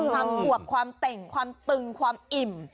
ความอวบความเต่งความตึงความอิ่ม